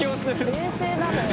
冷静なのよ。